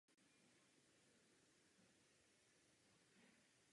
To mne přimělo hlasovat pro jeho přijetí.